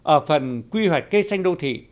ở phần quy hoạch cây xanh đô thị